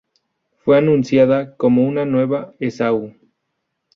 Fue anunciada como una "Nueva Esaú".